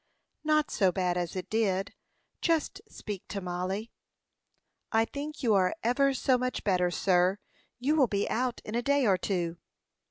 "Not so bad as it did. Just speak to Mollie." "I think you are ever so much better, sir. You will be out in a day or two."